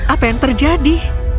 apa yang terjadi